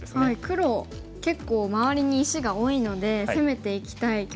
黒結構周りに石が多いので攻めていきたい局面ですよね。